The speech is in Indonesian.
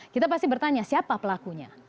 kita pasti bertanya siapa pelakunya